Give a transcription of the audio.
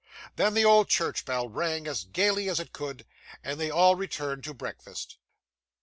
Then, the old church bell rang as gaily as it could, and they all returned to breakfast.